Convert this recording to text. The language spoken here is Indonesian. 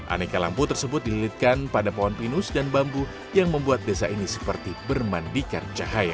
aneka lampu tersebut dililitkan pada pohon pinus dan bambu yang membuat desa ini seperti bermandikan cahaya